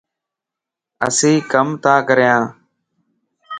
اسين ڪم تا ڪريان